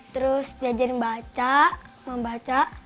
terus diajarin membaca